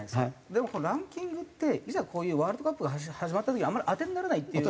でもこのランキングっていざこういうワールドカップが始まった時あんまり当てにならないっていう。